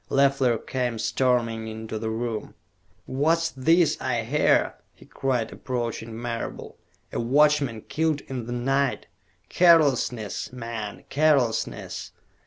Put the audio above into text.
Leffler came storming into the room. "What's this I hear?" he cried, approaching Marable. "A watchman killed in the night? Carelessness, man, carelessness!